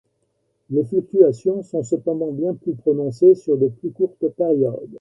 Les fluctuations sont cependant bien plus prononcées sur de plus courtes périodes.